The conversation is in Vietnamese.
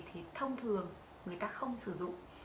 thì thông thường người ta không sử dụng